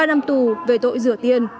ba năm tù về tội rửa tiền